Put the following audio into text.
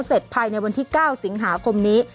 เสร็จภายในวันที่๙สิงหาคมนี้